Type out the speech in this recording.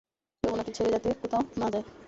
কেউ উনাকে ছেড়ে যাতে কোথাও না যায়।